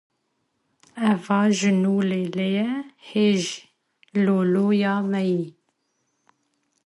Eva ji nû lê lê ye, hêj lo lo ya meyî